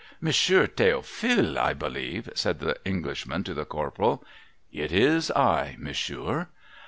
'Monsieur Theophile, I believe?' said the Englishman to the Corporal. ' It is I, monsieur.'